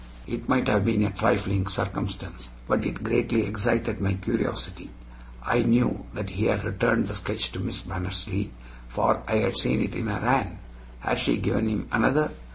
It might have been a trifling circumstance, but it greatly excited my curiosity. I knew that he had returned the sketch to Miss Mannersley, for I had seen it in her hand. Had she given him another?